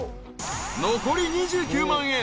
［残り２９万円。